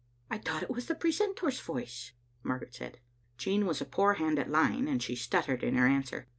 "I thought it was the precentor's voice," Margaret said. Jean was a poor hand at lying, and she stuttered in her answer.